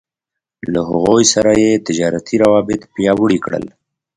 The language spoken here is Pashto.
له هغوی سره يې تجارتي روابط پياوړي کړل.